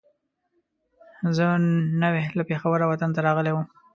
زه نوی له پېښوره وطن ته راغلی وم.